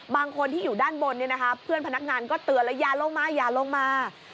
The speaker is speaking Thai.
บางคนที่อยู่ด้านบนเพื่อนพนักงานก็เตือนแล้วอย่าลงมาอย่าลงมา